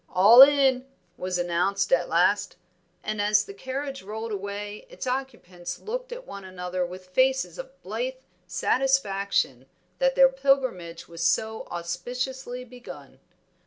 "All in," was announced at last, and as the carriage rolled away its occupants looked at one another with faces of blithe satisfaction that their pilgrimage was so auspiciously begun.